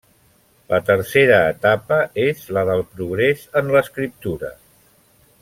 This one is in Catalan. La tercera etapa és la del progrés en l’escriptura.